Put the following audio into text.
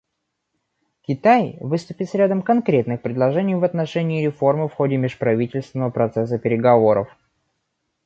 Китай выступит с рядом конкретных предложений в отношении реформы в ходе межправительственного процесса переговоров.